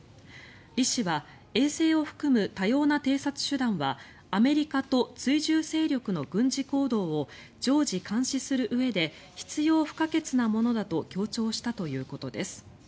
リ氏は衛星を含む多様な偵察手段はアメリカと追従勢力の軍事行動を常時監視するうえで必要不可欠なものだと強調したということです。